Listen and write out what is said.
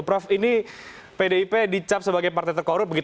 prof ini pdip dicap sebagai partai terkorup